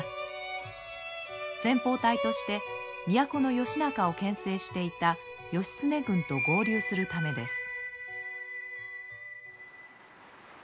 先ぽう隊として都の義仲をけん制していた義経軍と合流するためです。